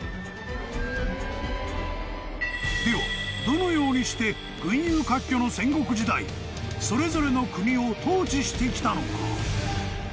どのようにして群雄割拠の戦国時代それぞれの国を統治してきたのか？］